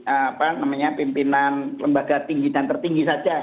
apa namanya pimpinan lembaga tinggi dan tertinggi saja